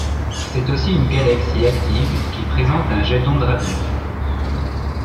C'est aussi une galaxie active qui présente un jet d'onde radio.